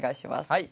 はい。